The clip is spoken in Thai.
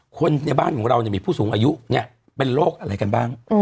คนในบ้านของเรามีผู้สูงอายุเป็นโรคอะไรกันบ้าง